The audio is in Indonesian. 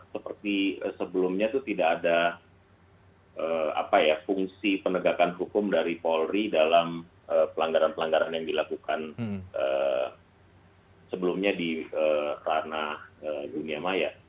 seperti sebelumnya itu tidak ada fungsi penegakan hukum dari polri dalam pelanggaran pelanggaran yang dilakukan sebelumnya di ranah dunia maya